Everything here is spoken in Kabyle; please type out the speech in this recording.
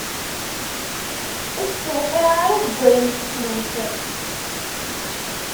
Ur tt-tewqiε ara deg ayen tettlus.